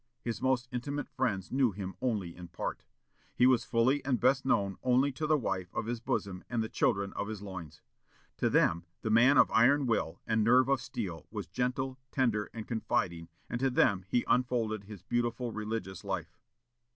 His most intimate friends knew him only in part. He was fully and best known only to the wife of his bosom and the children of his loins. To them the man of iron will and nerve of steel was gentle, tender, and confiding, and to them he unfolded his beautiful religious life."